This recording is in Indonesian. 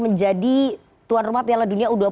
menjadi tuan rumah piala dunia u dua puluh